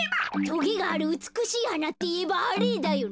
とげがあるうつくしいはなっていえばあれだよね。